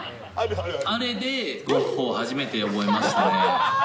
あれでゴッホを初めて覚えましたね。